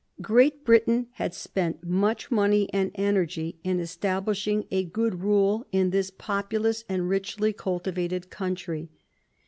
Great Britain had spent much money and energy in establishing a good rule in this populous and richly cultivated country.